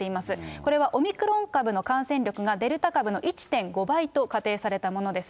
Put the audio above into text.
これは、オミクロン株の感染力がデルタ株の１．５倍と仮定されたものです。